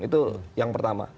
itu yang pertama